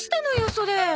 それ。